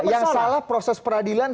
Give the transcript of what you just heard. yang salah proses peradilan